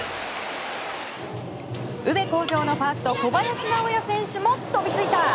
宇部鴻城のファースト小林直也選手も飛びついた！